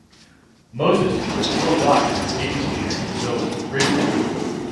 Moses tours worldwide, occasionally sharing the bill with Bridgewater.